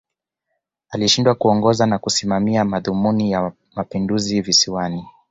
Alishindwa kuongoza na kusimamia madhumuni ya Mapinduzi Visiwani